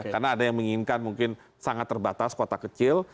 karena ada yang menginginkan mungkin sangat terbatas kota kecil